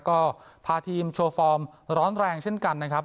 ก็พาทีมโชว์ฟอร์มร้อนแรงเช่นกันนะครับ